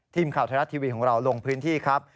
ทีมข่าวไทยรัฐทีวีของเราลงพื้นที่ครับ